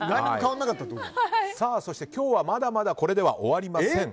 そして今日はまだまだこれでは終わりません。